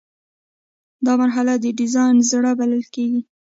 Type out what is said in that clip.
دا مرحله د ډیزاین زړه بلل کیږي.